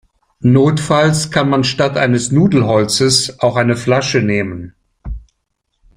Notfalls kann man statt eines Nudelholzes auch eine Flasche nehmen.